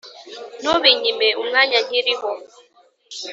ntubinyime umwanya nkiriho